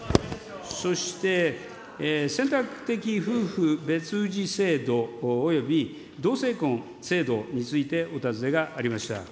そして選択的夫婦別氏制度および同性婚制度についてお尋ねがありました。